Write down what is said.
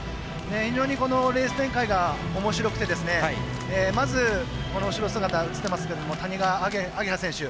非常にレース展開がおもしろくてまず、この後ろ姿映ってますけれども谷川亜華葉選手。